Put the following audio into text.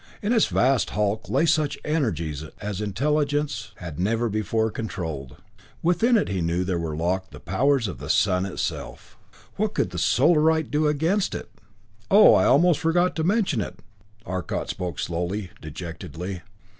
In its vast hulk lay such energies as intelligence had never before controlled; within it he knew there were locked the powers of the sun itself. What could the Solarite do against it? "Oh, I almost forgot to mention it." Arcot spoke slowly, dejectedly.